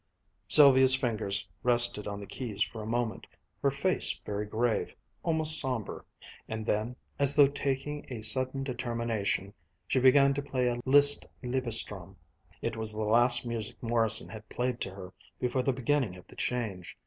Sylvia's fingers rested on the keys for a moment, her face very grave, almost somber, and then, as though taking a sudden determination, she began to play a Liszt Liebes Traum. It was the last music Morrison had played to her before the beginning of the change.